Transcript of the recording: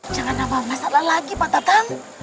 jangan nabah masalah lagi pak tatang